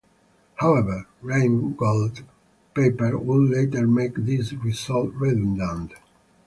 However, Reingold's paper would later make this result redundant.